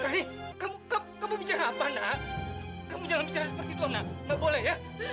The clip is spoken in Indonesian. rani kamu bicara apa nak kamu jangan bicara seperti itu anak gak boleh ya